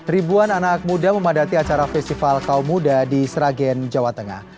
ribuan anak muda memadati acara festival kaum muda di sragen jawa tengah